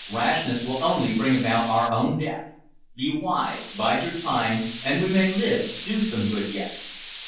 Rashness will only bring about our own death. Be wise; bide your time, and we may live to do some good yet."